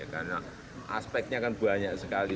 karena aspeknya kan banyak sekali